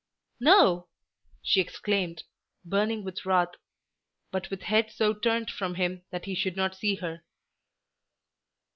"No," she exclaimed, burning with wrath but with head so turned from him that he should not see her.